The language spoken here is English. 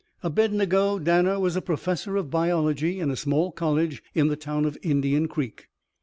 Abednego Danner was a professor of biology in a small college in the town of Indian Creek.